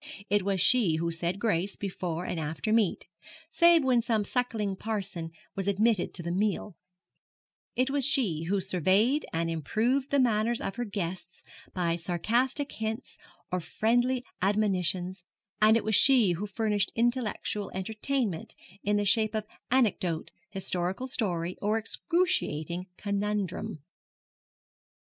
It was she who said grace before and after meat save when some suckling parson was admitted to the meal; it was she who surveyed and improved the manners of her guests by sarcastic hints or friendly admonitions; and it was she who furnished intellectual entertainment in the shape of anecdote, historical story, or excruciating conundrum.